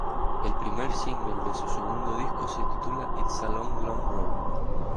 El primer single de su segundo disco se titula "It´s a long, long road".